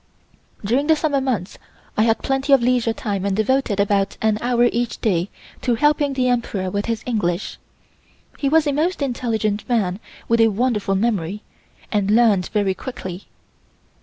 During the Summer months I had plenty of leisure time and devoted about an hour each day to helping the Emperor with his English. He was a most intelligent man with a wonderful memory and learned very quickly.